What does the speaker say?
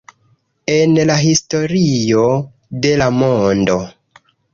En la historio de la mondo